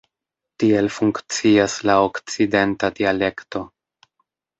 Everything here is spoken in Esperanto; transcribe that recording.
Tiel funkcias la okcidenta dialekto.